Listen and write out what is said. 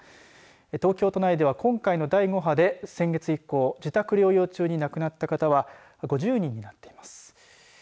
東京都内では、今回の第５波で先月以降、自宅療養中亡くなった方は５０人になっています。